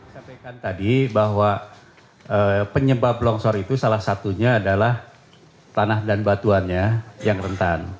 sampaikan tadi bahwa penyebab longsor itu salah satunya adalah tanah dan batuannya yang rentan